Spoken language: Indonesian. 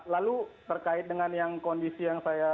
lalu terkait dengan yang kondisi yang saya